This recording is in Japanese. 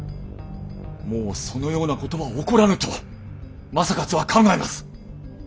もうそのようなことは起こらぬと正勝は考えます！